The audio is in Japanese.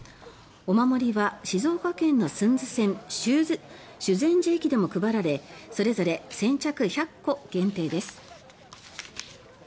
お守りは静岡県の駿豆線修善寺駅でも配られそれぞれ先着１００個限定です。